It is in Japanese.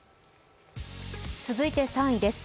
続いて３位です。